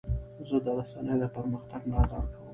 زه د رسنیو د پرمختګ ملاتړ کوم.